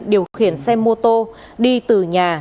điều khiển xe mô tô đi từ nhà